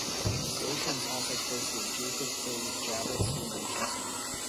The station is also close to the Jacob K. Javits Convention Center.